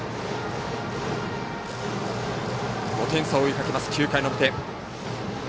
５点差を追いかけます、９回の表。